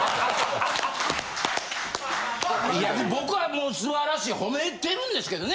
僕は素晴らしい褒めてるんですけどね。